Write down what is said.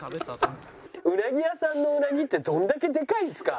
ウナギ屋さんのウナギってどんだけでかいんですか！？